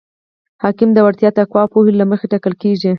حاکم د وړتیا، تقوا او پوهې له مخې ټاکل کیږي.